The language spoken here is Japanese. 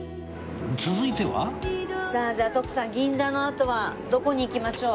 続いてはさあじゃあ徳さん銀座のあとはどこに行きましょう？